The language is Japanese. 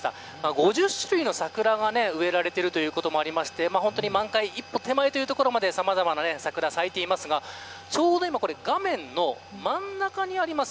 ５０種類の桜が植えられていることもあって本当に満開一歩手前というところまでさまざまな桜が咲いていますがちょうど今画面の真ん中にあります